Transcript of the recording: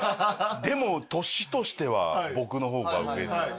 でも年としては僕の方が上で。